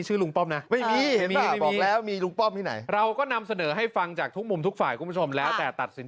อ๋อจะบอกว่ามีความเห็นที่หลากหลาย